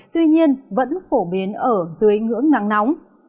tuy nhiên vẫn phổ biến ở dưới ngưỡng nắng nóng